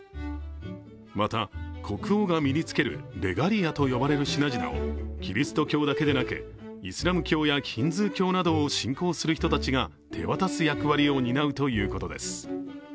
また、国王が身につけるレガリアと呼ばれる品々をキリスト教だけでなくイスラム教やヒンズー教などを信仰する人たちが手渡す役割を担うということです。